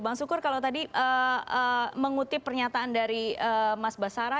bang sukur kalau tadi mengutip pernyataan dari mas basara